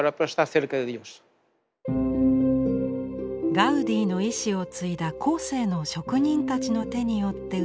ガウディの遺志を継いだ後世の職人たちの手によって生み出された祈りの場。